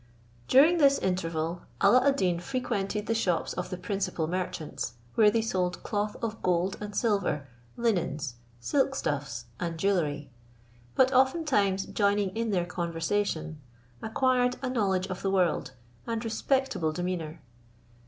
During this interval, Alla ad Deen frequented the shops of the principal merchants, where they sold cloth of gold and silver, linens, silk stuffs, and jewellery, and oftentimes joining in their conversation, acquired a knowledge of the world, and respectable demeanour.